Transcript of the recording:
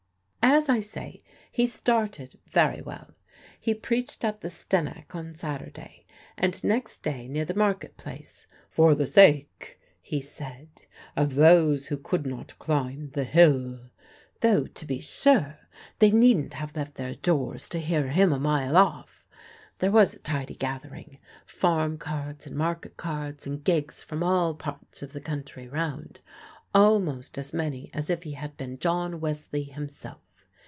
As I say, he started very well. He preached at the Stennack on Saturday, and next day near the market place, "for the sake," he said, "of those who could not climb the hill" though, to be sure, they needn't have left their doors to hear him a mile off. There was a tidy gathering farm carts and market carts and gigs from all parts of the country round almost as many as if he had been John Wesley himself.